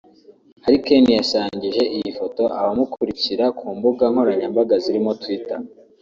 Harry Kane yasangije iyi foto abamukurikira ku mbuga nkoranyambaga zirimo Twitter